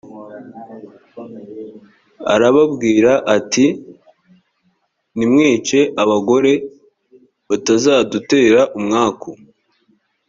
arababwira ati ntimwice abagore batazadutera umwaku